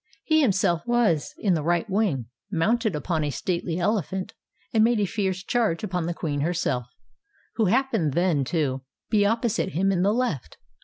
He himself was in the right wing, mounted upon a stately elephant, and made a fierce charge upon the queen herself, who happened then to be opposite him in the left.